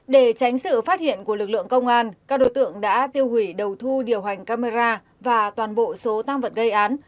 để tránh sự phát hiện của lực lượng công an các đối tượng đã tiêu hủy đầu thu điều hành camera và toàn bộ số tăng vật gây án